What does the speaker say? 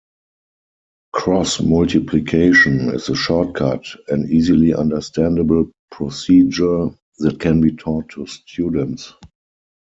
Cross-multiplication is a shortcut, an easily understandable procedure that can be taught to students.